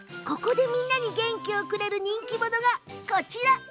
ここでみんなに元気をくれる人気者がこちら！